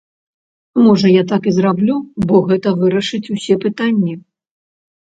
Можа, я так і зраблю, бо гэта вырашыць усе пытанні.